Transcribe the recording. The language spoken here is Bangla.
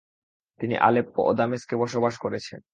তিনি আলেপ্পো ও দামেস্কে বসবাস করেছেন।